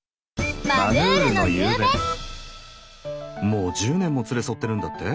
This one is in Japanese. もう１０年も連れ添ってるんだって？